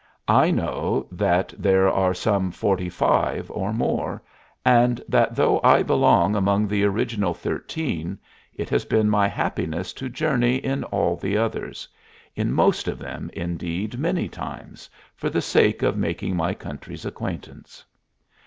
I know that there are some forty five or more, and that though I belong among the original thirteen, it has been my happiness to journey in all the others, in most of them, indeed, many times, for the sake of making my country's acquaintance.